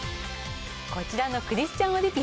こちらのクリスチャン・オリビエ。